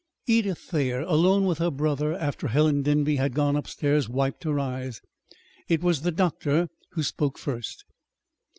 Edith Thayer, alone with her brother, after Helen Denby had gone upstairs, wiped her eyes. It was the doctor who spoke first.